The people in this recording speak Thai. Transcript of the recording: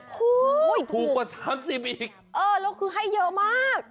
ถูกกว่า๓๐อีกเออแล้วคือให้เยอะมาก